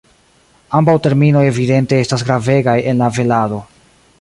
Ambaŭ terminoj evidente estas gravegaj en la velado.